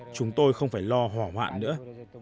chúng tôi không phải lo hỏa hoạn nữa